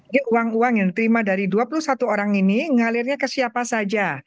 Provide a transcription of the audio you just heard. jadi uang uang yang diterima dari dua puluh satu orang ini ngalirnya ke siapa saja